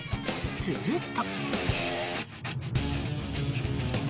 すると。